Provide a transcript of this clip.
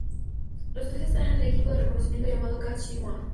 Los tres están en el equipo de reconocimiento llamado Cat Shit One.